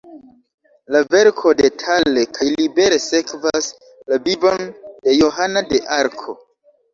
La verko detale kaj libere sekvas la vivon de Johana de Arko.